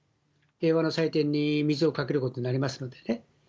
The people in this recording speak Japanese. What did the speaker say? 平和の祭典に水をかけることになりますのでね。